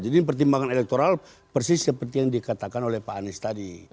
jadi pertimbangan elektoral persis seperti yang dikatakan oleh pak anies tadi